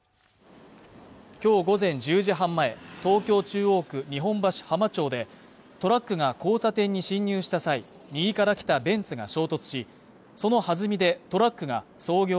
今日午前１０時半前東京中央区日本橋浜町でトラックが交差点に進入した際右から来たベンツが衝突しそのはずみでトラックが創業